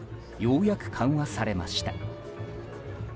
ようやく緩和されました。